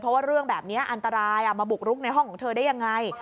เพราะว่าเรื่องแบบนี้อันตรายมาบุกรุกในห้องของเธอได้ยังไง